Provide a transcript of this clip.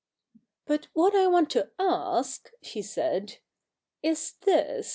' But what I want to ask,' she said, 'is this.